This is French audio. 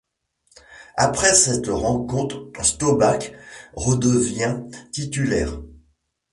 Après cette rencontre, Staubach redevient titulaire.